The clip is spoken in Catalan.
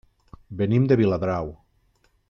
Venim de Viladrau.